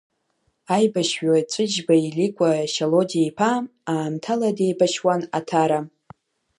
Аибашьҩы Ҵәыџьба Иликәа Шьалодиа-иԥа аамҭала деибашьуан Аҭара.